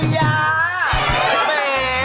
ทำไม